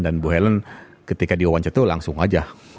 dan ibu helen ketika di wawancara itu langsung aja